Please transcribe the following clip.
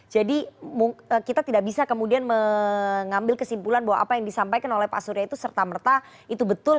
jadi kita tidak bisa kemudian mengambil kesimpulan bahwa apa yang disampaikan oleh pak surya itu serta merta itu betul